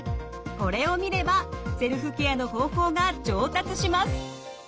これを見ればセルフケアの方法が上達します。